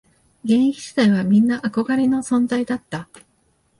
現役時代はみんな憧れの存在だった